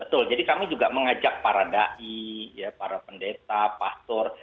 betul jadi kami juga mengajak para da'i para pendeta pastor